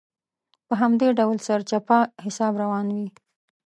په همدې ډول سرچپه حساب روان وي.